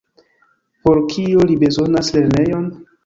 Por kio li bezonas lernejon?